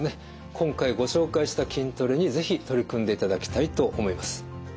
今回ご紹介した筋トレに是非取り組んでいただきたいと思います。